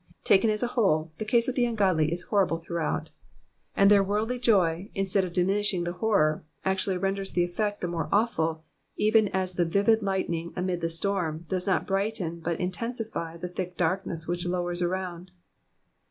Taken as a whole, the case of the ungodly is horrible throughout ; and their worldly joy instead of diminishing the horror, actually renders the effect the more awful, even as the vivid lightning amid the storm does not brighten but intensify the thick dark ness which lowers around.